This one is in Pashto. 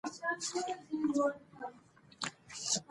زموږ د بریا راز په زموږ په ایمان کې دی.